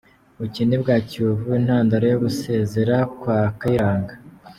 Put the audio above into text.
Ubukene bwa Kiyovu intandaro yo gusezera kwa Kayiranga